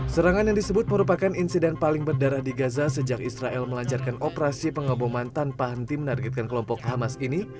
serangan yang disebut merupakan insiden paling berdarah di gaza sejak israel melancarkan operasi pengeboman tanpa henti menargetkan kelompok hamas ini